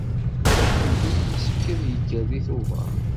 Lebni yessefk ad yekker deg Tubeṛ.